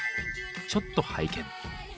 ちょっと拝見。